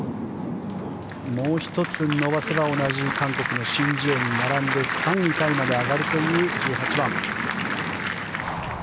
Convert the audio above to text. もう１つ伸ばせば同じ韓国のシン・ジエに並んで３位タイまで上がるという１８番。